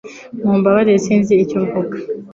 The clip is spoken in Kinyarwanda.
Mumbabarire sinzi icyo mvuga